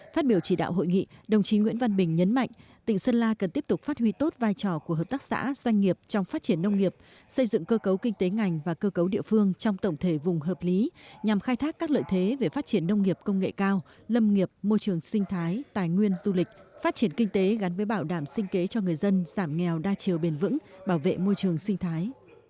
phát biểu chỉ đạo hội nghị đồng chí nguyễn văn bình nhấn mạnh tỉnh sơn la cần tiếp tục phát huy tốt vai trò của hợp tác xã doanh nghiệp trong phát triển nông nghiệp xây dựng cơ cấu kinh tế ngành và cơ cấu địa phương trong tổng thể vùng hợp lý nhằm khai thác các lợi thế về phát triển nông nghiệp công nghệ cao lâm nghiệp môi trường sinh thái tài nguyên du lịch phát triển kinh tế gắn với bảo đảm sinh kế cho người dân giảm nghèo đa chiều bền vững bảo vệ môi trường sinh thái